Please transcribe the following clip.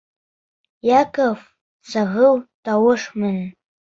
Яков сағыу тауыш менән: